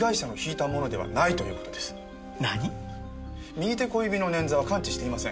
右手小指の捻挫は完治していません。